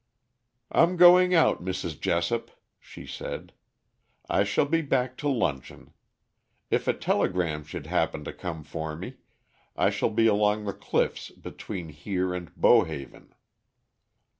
"I'm going out, Mrs. Jessop," she said. "I shall be back to luncheon. If a telegram should happen to come for me, I shall be along the cliffs between here and Beauhaven."